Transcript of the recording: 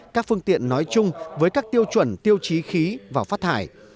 các phương tiện nói chung với các tiêu chuẩn tiêu chí khí và phát thải